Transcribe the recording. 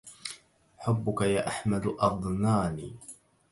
حبك يا أحمد أضناني